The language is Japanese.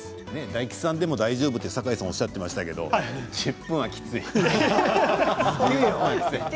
大吉さんでも大丈夫と酒井さんおっしゃっていましたが１０分はきついよ。